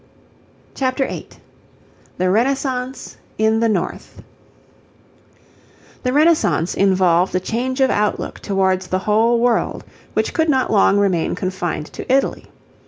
CHAPTER VIII THE RENAISSANCE IN THE NORTH The Renaissance involved a change of outlook towards the whole world which could not long remain confined to Italy.